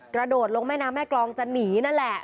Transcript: กระโดดลงแม่น้ำแม่กรองจะหนีนั่นแหละ